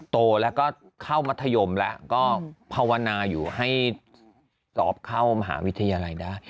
โตแล้วก็เข้ามัธยมแล้วก็ภาวนาอยู่ให้สอบเข้ามหาวิทยาลัยได้